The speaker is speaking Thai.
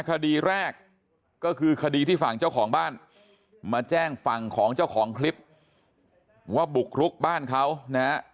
คดีแรกก็คือคดีที่ฝั่งเจ้าของบ้านมาแจ้งฝั่งของเจ้าของคลิปว่าบุกรุกบ้านเขานะฮะ